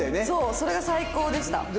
そうそれが最高でした。